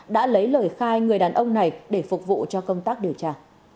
đã lấy lời khai người đàn ông này để phục vụ cho công tác điều tra